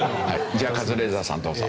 じゃあカズレーザーさんどうぞ。